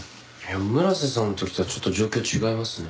村瀬さんの時とはちょっと状況違いますね。